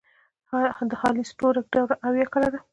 د هالی ستورک دوره اويا کاله ده.